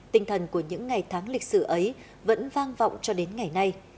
tinh thần của những ngày tháng lịch sử ấy vẫn vang vọng cho đến ngày nay